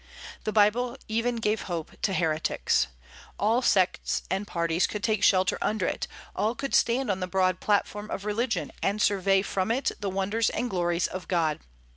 The Bible even gave hope to heretics. All sects and parties could take shelter under it; all could stand on the broad platform of religion, and survey from it the wonders and glories of God.